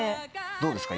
どうですか？